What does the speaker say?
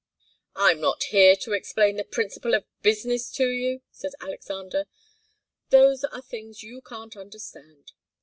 "I'm not here to explain the principle of business to you," said Alexander. "Those are things you can't understand.